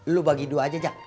lu bagi dua aja